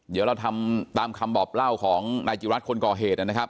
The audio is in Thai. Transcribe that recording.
เดี๋ยวเราทำตามคำบอกเล่าของนายจิรัตน์คนก่อเหตุนะครับ